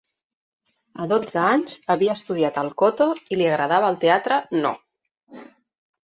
A dotze anys, havia estudiat el "koto" i li agradava el teatre "Noh".